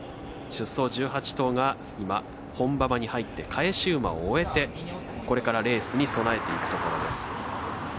出走１８頭が本馬場に入って返し馬を終えてこれからレースに備えていくところです。